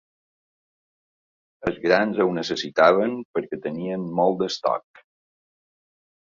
Els grans ho necessitaven perquè tenien molt d’estoc.